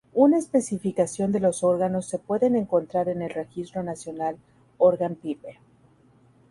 Una especificación de los órganos se pueden encontrar en el Registro Nacional Organ Pipe.